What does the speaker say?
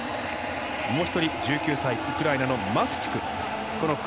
もう１人１９歳、ウクライナのマフチフ。